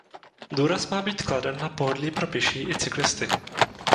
Důraz má být kladen na pohodlí pro pěší i cyklisty.